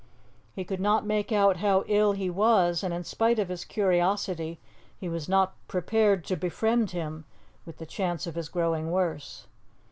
He could not make out how ill he was; and in spite of his curiosity, he was not prepared to befriend him with the chance of his growing worse.